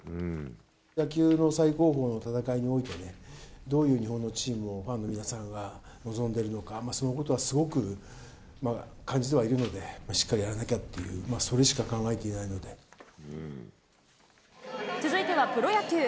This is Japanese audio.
野球の最高峰の戦いにおいて、どういう日本のチームをファンの皆さんが望んでいるのか、そのことはすごく感じてはいるので、しっかりやらなきゃっていう、続いてはプロ野球。